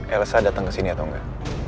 elsa datang ke sini atau enggak